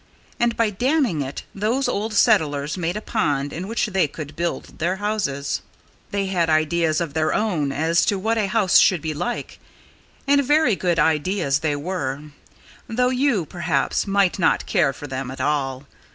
And by damming it those old settlers made a pond in which they could build their houses. They had ideas of their own as to what a house should be like and very good ideas they were though you, perhaps, might not care for them at all.